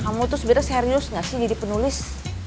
kamu tuh sebenarnya serius gak sih jadi penulis